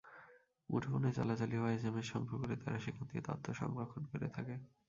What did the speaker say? মুঠোফোনে চালাচালি হওয়া এসএমএস সংগ্রহ করে তারা সেখান থেকে তথ্য সংরক্ষণ করে থাকে।